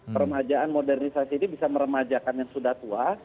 permajaan modernisasi ini bisa meremajakan yang sudah tua